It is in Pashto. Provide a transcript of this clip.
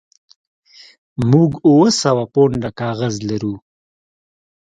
موږ اوه سوه پونډه کاغذ لرو